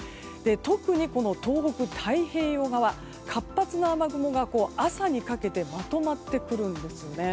特に、東北の太平洋側活発な雨雲が朝にかけてまとまってくるんですよね。